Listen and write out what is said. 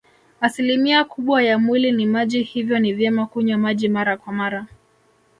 Asilimia kubwa ya mwili ni maji hivyo ni vyema kunywa maji mara kwa mara